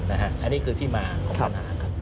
อันนี้คือที่มาของปัญหาครับ